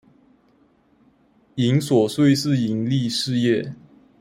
營所稅是營利事業